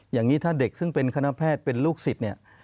อย่างนี้ถ้าเด็กซึ่งเป็นคณะแพทย์เป็นลูกศิษย์เนี่ย